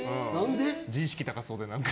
自意識、高そうで。